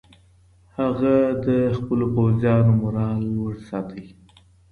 هغه د خپلو پوځیانو مورال لوړ ساته.